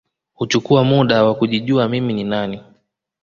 Huchukua muda wa kujijua mimi ni nani